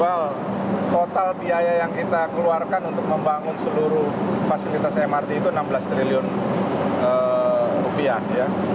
well total biaya yang kita keluarkan untuk membangun seluruh fasilitas mrt itu enam belas triliun rupiah ya